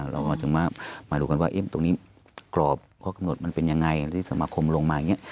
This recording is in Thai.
เราอาจจะมาดูกันว่าตรงนี้กรอบข้อกำหนดมันเป็นยังไงที่สมาคมลงมาอย่างนี้